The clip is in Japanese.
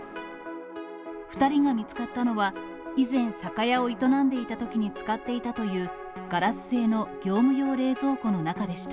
２人が見つかったのは、以前、酒屋を営んでいたときに使っていたという、ガラス製の業務用冷蔵庫の中でした。